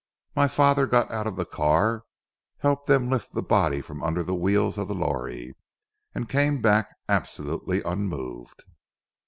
My father got out of the car, helped them lift the body from under the wheels of the lorry, and came back absolutely unmoved.